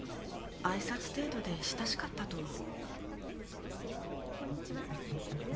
挨拶程度で親しかったとは。